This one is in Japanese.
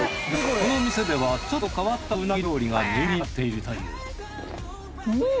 この店ではちょっと変わったウナギ料理が人気になっているといううん！